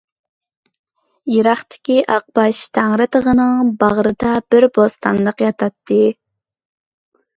يىراقتىكى ئاقباش تەڭرىتېغىنىڭ باغرىدا بىر بوستانلىق ياتاتتى.